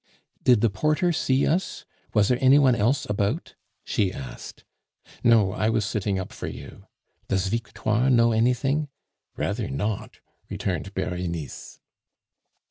"Did the porter see us? Was there anyone else about?" she asked. "No; I was sitting up for you." "Does Victoire know anything?" "Rather not!" returned Berenice.